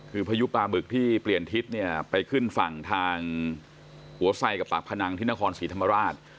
คือพายุปลาบึกที่เปลี่ยนทิศเนี่ยไปขึ้นฝั่งทางหัวไส้กับปากพนังที่นครศรีธรรมราช